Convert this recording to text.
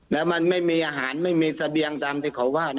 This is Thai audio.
แล้วมันไม่มีอาหารไม่มีเสบียงตามที่เขาว่า